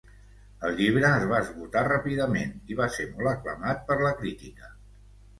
El llibre es va esgotar ràpidament i va ser molt aclamat per la crítica.